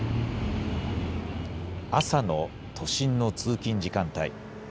朝の都心の通勤時間帯。